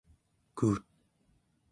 kuut